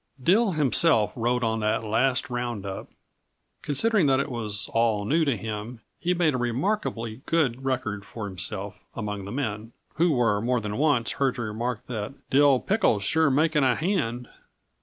_ Dill himself rode on that last round up. Considering that it was all new to him, he made a remarkably good record for himself among the men, who were more than once heard to remark that "Dill pickle's sure making a hand!"